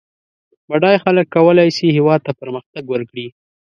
بډای خلک کولای سي هېواد ته پرمختګ ورکړي